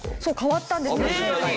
そう変わったんですよ